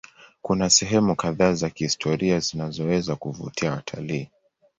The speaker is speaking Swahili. Kuna sehemu kadhaa za kihistoria zinazoweza kuvutia watalii.